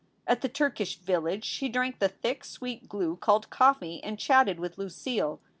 At the Turkish Village she drank the thick, sweet glue called coffee and chatted with Lucille.